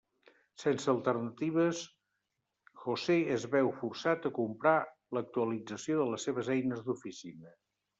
Sense alternatives, José es veu forçat a comprar l'actualització de les seves eines d'oficina.